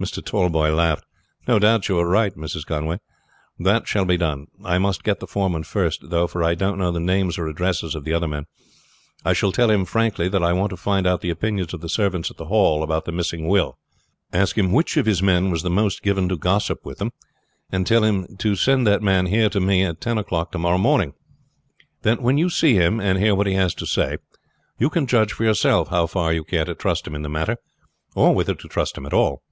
Mr. Tallboys laughed. "No doubt you are right, Mrs. Conway. That shall be done. I must get the foreman first, though, for I don't know the names or addresses of the other men. I shall tell him frankly that I want to find out the opinions of the servants at the Hall about the missing will, ask him which of his men was the most given to gossip with them, and tell him to send him here to me at ten o'clock to morrow morning; then when you see him and hear what he has to say, you can judge for yourself how far you care to trust him in the matter, or whether to trust him at all.